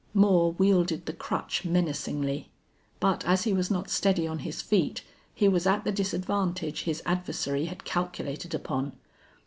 Moore wielded the crutch menacingly, but as he was not steady on his feet he was at the disadvantage his adversary had calculated upon.